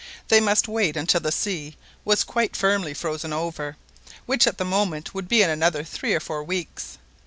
They must wait until the sea was quite firmly frozen over, which at the most would be in another three or four weeks.